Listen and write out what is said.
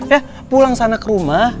eh pulang sana ke rumah